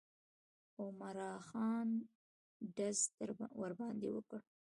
عمرا خان ډز ورباندې وکړ.